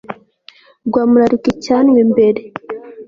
rwa murarika icyanwa imbere